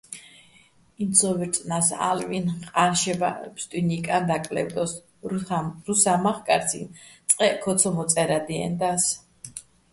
ინც სო ვი́რწნა́ს ალვინ, ყა́ნშება ფსტუჲნო̆ ჲიკაჼ დაკლე́ვდო́ს, რუსა́ მახკარციჼ წყეჸ ქო ცო მოწე́რადიენდა́ს.